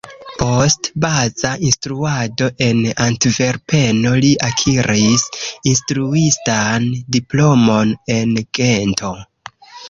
Post baza instruado en Antverpeno li akiris instruistan diplomon en Gento.